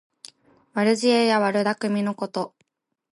悪知恵や悪だくみのこと。